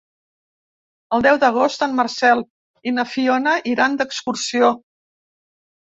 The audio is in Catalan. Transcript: El deu d'agost en Marcel i na Fiona iran d'excursió.